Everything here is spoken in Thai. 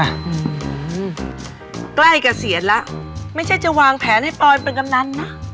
อืมใกล้เกษียณแล้วไม่ใช่จะวางแผนให้ปลอยเป็นกำนันนะ